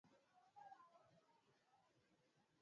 Ukikata tiketi, utaweza kuchagua chakula chako